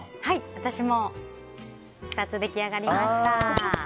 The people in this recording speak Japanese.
私も２つ出来上がりました。